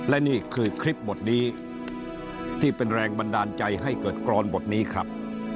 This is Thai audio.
และนี่คือคลิปบทนี้ที่เป็นแรงบันดาลใจให้เกิดกรอนบทนี้ครับ